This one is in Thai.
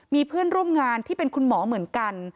มีเพื่อนร่วมงานที่เป็นคุณหมอเหมือนกัน